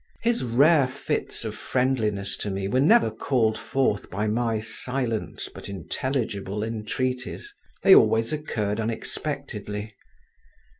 His rare fits of friendliness to me were never called forth by my silent, but intelligible entreaties: they always occurred unexpectedly.